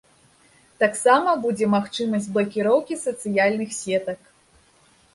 Таксама будзе магчымасць блакіроўкі сацыяльных сетак.